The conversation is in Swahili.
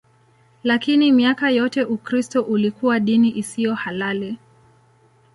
Lakini miaka yote Ukristo ulikuwa dini isiyo halali.